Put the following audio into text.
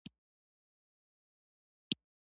لویو لویو توږل شویو تیږو غېږ ورته تاو کړې وه.